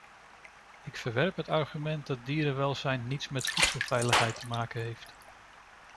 Ik verwerp het argument dat dierenwelzijn niets met voedselveiligheid te maken heeft.